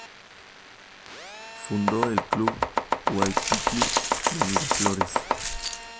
Fundó el Club Waikiki de Miraflores.